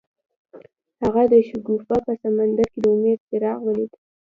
هغه د شګوفه په سمندر کې د امید څراغ ولید.